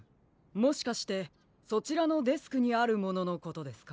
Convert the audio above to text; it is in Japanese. もしかしてそちらのデスクにあるもののことですか？